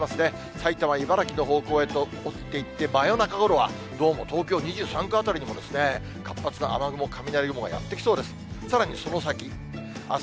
埼玉、茨城の方向へと落ちていって、真夜中ごろはどうも東京２３区辺りにも、活発な雨雲、雷雲がやって来そうです。